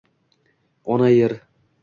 Ona-Yer